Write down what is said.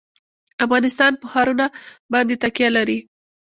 افغانستان په ښارونه باندې تکیه لري.